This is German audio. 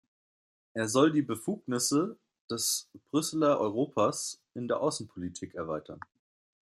Er soll die Befugnisse des Brüsseler Europas in der Außenpolitik erweitern.